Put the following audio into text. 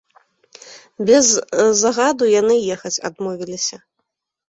Без загаду яны ехаць адмовіліся.